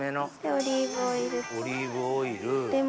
オリーブオイル。